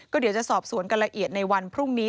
เดี๋ยวจะสอบสวนกันละเอียดในวันพรุ่งนี้